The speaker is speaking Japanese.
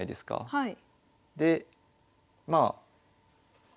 はい。